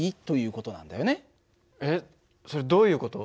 えっそれどういう事？